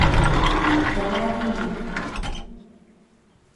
格拉蒂尼。